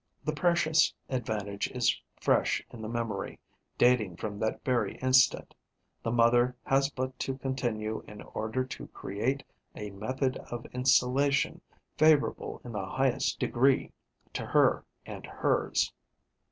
The precious advantage is fresh in the memory, dating from that very instant; the mother has but to continue in order to create a method of installation favourable in the highest degree to her and hers.